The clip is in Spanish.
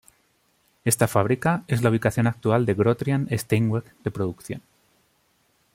Esta fábrica es la ubicación actual de Grotrian-Steinweg de producción.